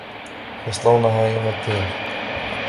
يَصْلَوْنَهَا يَوْمَ الدِّينِ